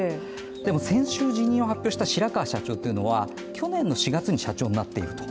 でも先週辞任を発表した白川社長というのは去年の４月に社長になっていると。